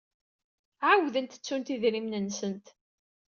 Ɛawdent ttunt idrimen-nsent.